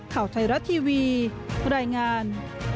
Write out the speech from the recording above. ข่าวไทยรัฐทีวีรายงาน